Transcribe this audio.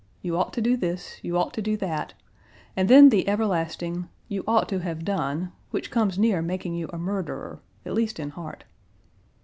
You ought to do this; you ought to do that, and then the everlasting 'you ought to have done,' which comes near making you a murderer, at least in heart.